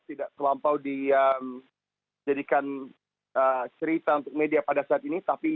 tidak terlampau dijadikan cerita untuk media pada saat ini